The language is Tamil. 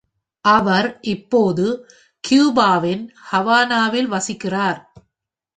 அவர் இப்போது கியூபாவின் ஹவானாவில் வசிக்கிறார்.